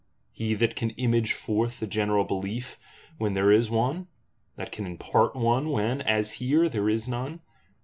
He that can image forth the general Belief when there is one; that can impart one when, as here, there is none.